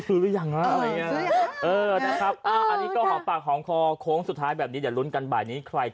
อุ๊ยอุ๊ยอุ๊ย